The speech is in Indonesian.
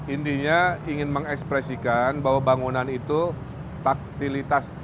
intinya ingin mengekspresikan bahwa bangunan itu taktilitas